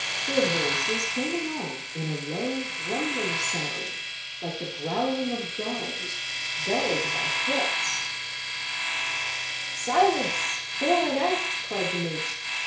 Their voices came along in a low, grumbling sound like the growling of dogs, dulled by threats, "Silence, fore and aft!" cried the mate.